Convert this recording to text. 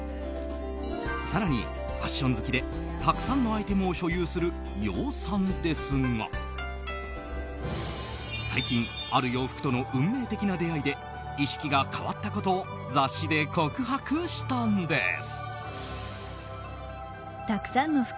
更に、ファッション好きでたくさんのアイテムを所有する羊さんですが最近、ある洋服との運命的な出会いで意識が変わったことを雑誌で告白したんです。